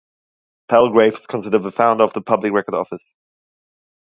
Palgrave is considered the founder of the Public Record Office.